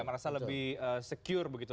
merasa lebih secure begitu